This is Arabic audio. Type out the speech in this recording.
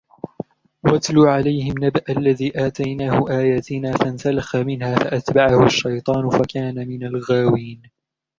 واتل عليهم نبأ الذي آتيناه آياتنا فانسلخ منها فأتبعه الشيطان فكان من الغاوين